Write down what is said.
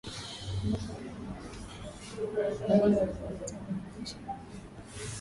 ambapo kuna ufukwe wenye urefu wa kilimeta mia moja ishirini na nne